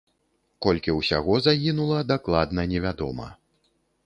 Колькі ўсяго загінула дакладна невядома.